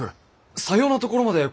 さようなところまで心遣いを。